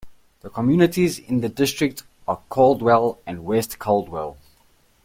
The communities in the district are Caldwell and West Caldwell.